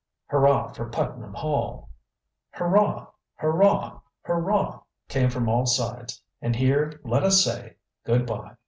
Hurrah for Putnam Hall!" "Hurrah! hurrah! hurrah!" came from all sides; and here let us say good by.